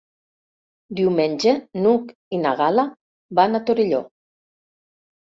Diumenge n'Hug i na Gal·la van a Torelló.